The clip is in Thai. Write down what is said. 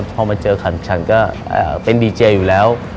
พอมาเจอขันชันก็เป็นดีเจอยู่แล้ว